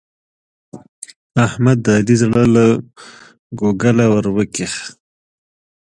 احمد د علي زړه له کوګله ور وکېښ.